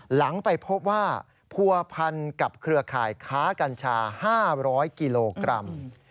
หลังไปพบว่าผัวพันกับเครือข่ายค้ากัญชา๕๐๐กิโลกรัม